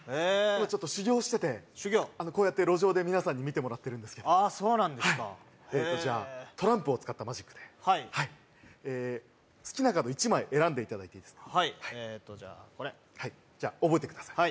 今ちょっと修業をしてて修業こうやって路上で皆さんに見てもらってるんですけどああそうなんですかへえはいえっとじゃあトランプを使ったマジックではいええ好きなカード１枚選んでいただいていいですかはいえーとじゃあこれじゃ覚えてください